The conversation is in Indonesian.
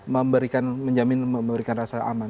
memberikan menjamin memberikan rasa aman